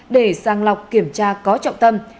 để sàng lọc kiểm tra có trọng tâm